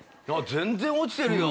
全然落ちてるよ！